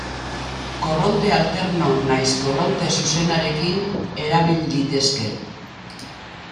Korronte alterno nahiz korronte zuzenarekin erabil litezke.